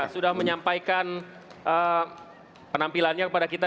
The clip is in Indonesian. sudah menyampaikan penampilannya kepada kita